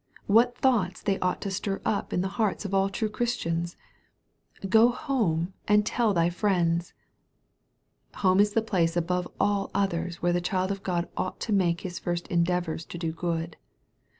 What thoughts they ought to stir up in the hearts of all true Christians !" Go home and tell thy friends." Home is the place above all others where the child of God ought to make his first endeavors to do good.